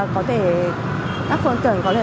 các phương tiện có thể dừng lại để chấp hành